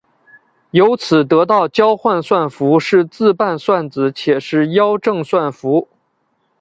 由此得到交换算符是自伴算子且是幺正算符。